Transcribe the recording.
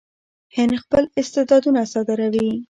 هند خپل استعدادونه صادروي.